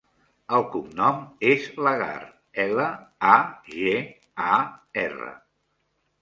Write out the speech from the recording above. El cognom és Lagar: ela, a, ge, a, erra.